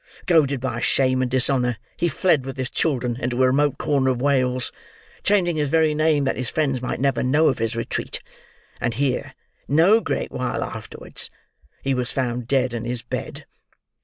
Goaded by shame and dishonour he fled with his children into a remote corner of Wales, changing his very name that his friends might never know of his retreat; and here, no great while afterwards, he was found dead in his bed.